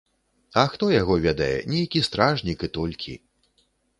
А хто яго ведае, нейкі стражнік, і толькі.